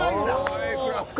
ああＡクラスか。